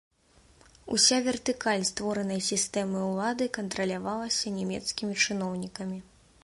Уся вертыкаль створанай сістэмы ўлады кантралявалася нямецкімі чыноўнікамі.